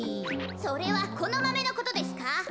それはこのマメのことですか？